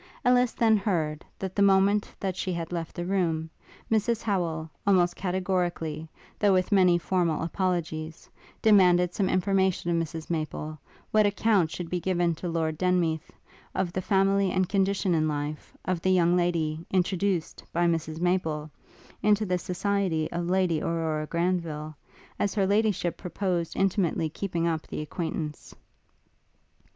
Ellis then heard, that the moment that she had left the room, Mrs Howel, almost categorically, though with many formal apologies, demanded some information of Mrs Maple, what account should be given to Lord Denmeath, of the family and condition in life, of the young lady introduced, by Mrs Maple, into the society of Lady Aurora Granville, as Her Ladyship proposed intimately keeping up the acquaintance.